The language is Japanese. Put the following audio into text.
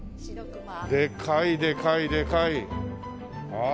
でかいでかいでかい。